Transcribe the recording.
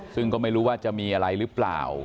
ซึ่งก็ไม่รู้ว่าจะมีอะไรหรือเปล่า